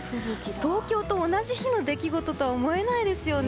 東京と同じ日の出来事とは思えないですよね。